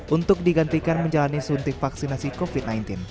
untuk digantikan menjalani suntik vaksinasi covid sembilan belas